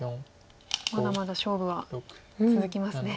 まだまだ勝負は続きますね。